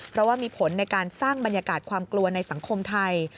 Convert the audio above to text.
เพราะว่ามีผลในการสร้างบรรยากาศความกลัวในสังคมไทย